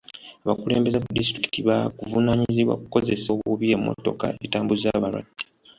Abakulembeze ku disitulikiti baakuvunaanyizibwa ku kukozesa obubi emmotoka etambuza balwadde.